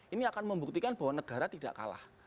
ini akan membuktikan bahwa negara tidak kalah